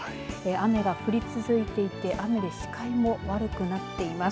雨が降り続いていて雨で視界も悪くなっています。